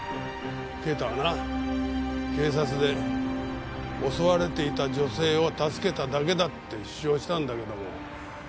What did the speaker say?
啓太はな警察で襲われていた女性を助けただけだって主張したんだけども。